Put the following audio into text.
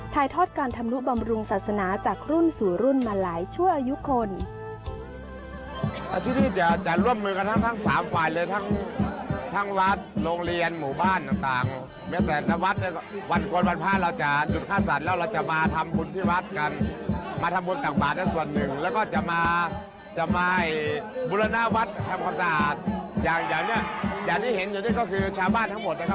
ถ่ายทอดการทำนุบำรุงศาสนาจากรุ่นสู่รุ่นมาหลายชั่วอายุคน